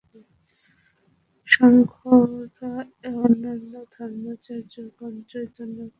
সাংখ্যেরা ও অন্যান্য ধর্মাচার্যগণ চৈতন্যকে অগ্রে স্থাপন করেন।